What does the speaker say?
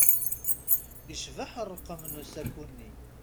Icbeḥ ṛṛqem n usaku-nni.